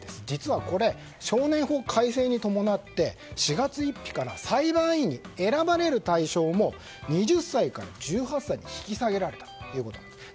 実はこれ、少年法改正に伴って４月１日から裁判員に選ばれる対象も２０歳から１８歳に引き下げられたということ。